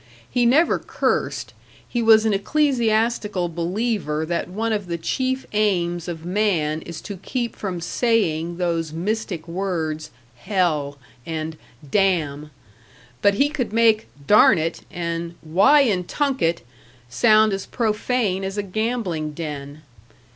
He never cursed; he was an ecclesiastical believer that one of the chief aims of man is to keep from saying those mystic words "hell" and "damn"; but he could make "darn it" and "why in tunket" sound as profane as a gambling den....